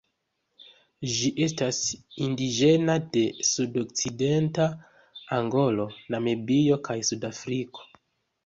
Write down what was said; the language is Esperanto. Ĝi estas indiĝena de sudokcidenta Angolo, Namibio kaj Sudafriko.